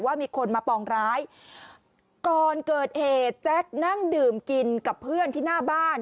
ว่ามีคนมาปองร้ายก่อนเกิดเหตุแจ๊คนั่งดื่มกินกับเพื่อนที่หน้าบ้าน